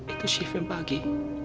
itu si fim pagi